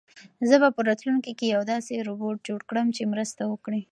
زه به په راتلونکي کې یو داسې روبوټ جوړ کړم چې مرسته وکړي.